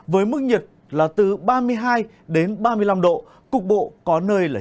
với mức nhiệt là từ ba mươi hai đến ba mươi ba độ